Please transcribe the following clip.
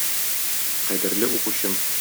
Кадерле укучым!